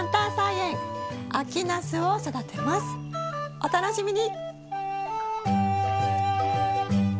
お楽しみに！